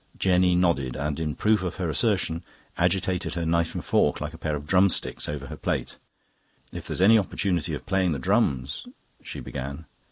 Jenny nodded, and, in proof of her assertion, agitated her knife and fork, like a pair of drumsticks, over her plate. "If there's any opportunity of playing the drums..." she began.